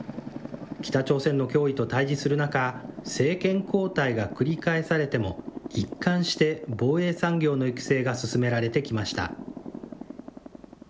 北朝鮮の脅威と対じする中、政権交代が繰り返されても、一貫して防衛産業の育成が進められてきました。